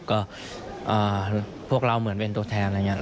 ก็พวกเราเหมือนเป็นตัวแทนอะไรอย่างนี้